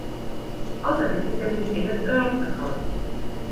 Außerdem ist er mit dem Engel Earl vertraut.